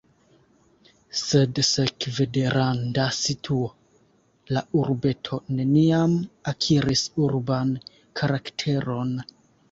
Sed sekve de randa situo la urbeto neniam akiris urban karakteron.